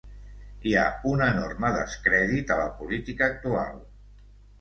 Hi ha un enorme descrèdit a la política actual.